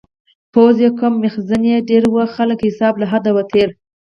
پوځ یې کم میخزن یې ډیر و-خلکه حساب له حده تېر و